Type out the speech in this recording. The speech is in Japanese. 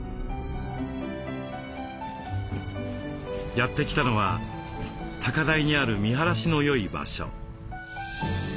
やって来たのは高台にある見晴らしのよい場所。